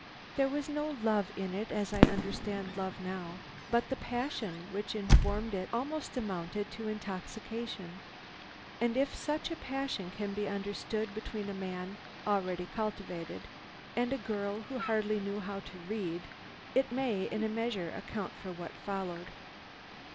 There was no love in it as I understand love now, but the passion which informed it almost amounted to intoxication, and if such a passion can be understood between a man already cultivated and a girl who hardly knew how to read, it may, in a measure, account for what followed.